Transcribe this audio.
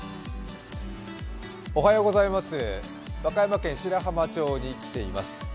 和歌山県白浜町に来ています。